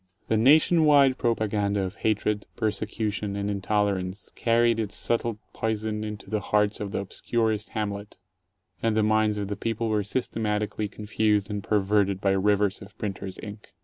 The nation wide propaganda of hatred, persecution, and intolerance carried its subtle poison into the hearts of the obscurest hamlet, and the minds of the people were systematically confused and perverted by rivers of printer's ink.